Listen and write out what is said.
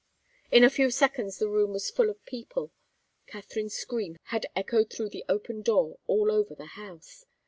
In a few seconds the room was full of people. Katharine's scream had echoed through the open door all over the house.